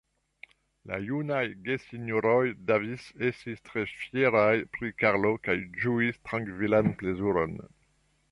La junaj gesinjoroj Davis estis tre fieraj pri Karlo kaj ĝuis trankvilan plezuron.